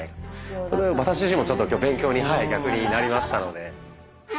それは私自身もちょっと今日勉強に逆になりましたので。